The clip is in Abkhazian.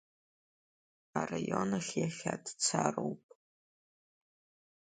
Араион ахь иахьа дцароуп…